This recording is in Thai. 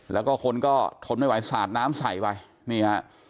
แล้วก็คนก็ทนไม่ไหวสาดน้ำใส่ไปนี่ฮะ